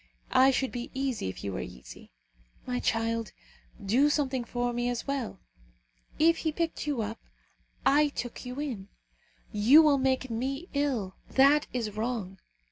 I should be easy if you were easy. My child, do something for me as well. If he picked you up, I took you in. You will make me ill. That is wrong.